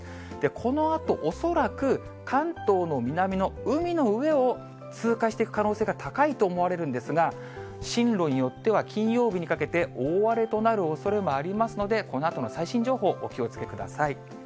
このあと恐らく、関東の南の海の上を通過していく可能性が高いと思われるんですが、進路によっては金曜日にかけて、大荒れとなるおそれもありますので、このあとの最新情報、お気をつけください。